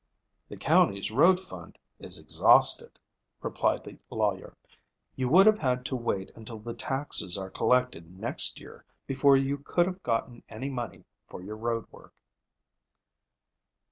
"The county's road fund is exhausted," replied the lawyer. "You would have had to wait until the taxes are collected next year before you could have gotten any money for your road work."